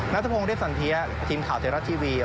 นัทพงศ์เรฟสันเทียทีมข่าวเทราส์ทีวี